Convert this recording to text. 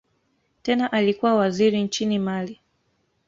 Tena alikuwa waziri nchini Mali.